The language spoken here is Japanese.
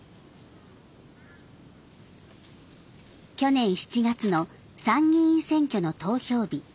去年７月の参議院選挙の投票日。